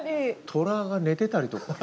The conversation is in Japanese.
虎が寝てたりとか。